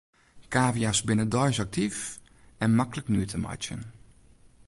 Kavia's binne deis aktyf en maklik nuet te meitsjen.